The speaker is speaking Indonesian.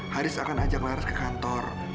haris akan ajak laris ke kantor